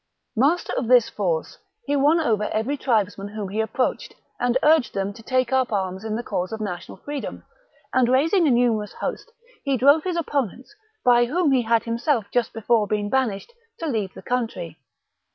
Master of this force, he won over every tribesman whom he approached, and urged them to take up arms in the cause of national freedom; and raising a numerous host, he drove his opponents, by whom he had himself just before been banished, to leave the country.